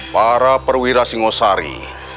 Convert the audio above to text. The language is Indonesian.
para perwira singosari